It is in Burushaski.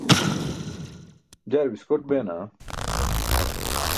jaar biskoṭ bee naa